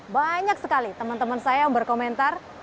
banyak sekali teman teman saya yang berkomentar